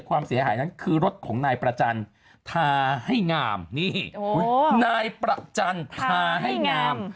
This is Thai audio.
ความเสียหายนั้นคือรถของนายประจันทาให้งามนี่นายประจันทาให้งาม